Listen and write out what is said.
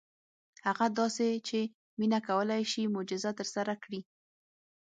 هغه داسې چې مينه کولی شي معجزه ترسره کړي.